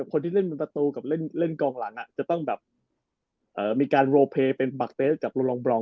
คนที่เล่นมันตามกับเล่นกองหลังจะต้องมีการโรลเปเป็นปักเตสกับโรลองบอง